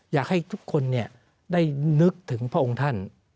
อยากให้ทุกคนได้นึกถึงพระองค์ท่าน